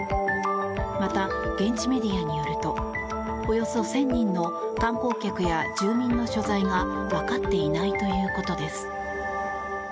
また、現地メディアによるとおよそ１０００人の観光客や住民の所在がわかっていないということです。